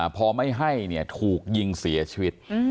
พอไม่ให้ถูกยิงเสียชีวิต